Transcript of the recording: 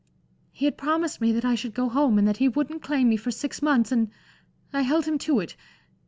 He had promised me that I should go home, and that he wouldn't claim me for six months, and I held him to it.